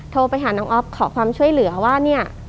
โทรไปหาน้องอ๊อฟขอความช่วยเหลือว่าเนี่ย